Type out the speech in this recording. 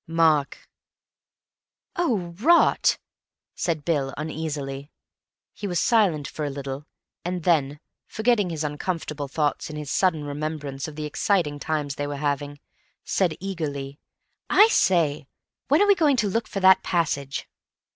"Mark." "Oh, rot," said Bill uneasily. He was silent for a little, and then, forgetting his uncomfortable thoughts in his sudden remembrance of the exciting times they were having, said eagerly, "I say, when are we going to look for that passage?"